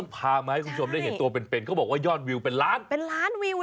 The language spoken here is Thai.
น้ำตาตกโคให้มีโชคเมียรสิเราเคยคบกันเหอะน้ำตาตกโคให้มีโชคเมียรสิเราเคยคบกันเหอะน้ำตาตกโคให้มีโชค